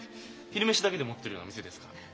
昼飯だけでもってるような店ですから。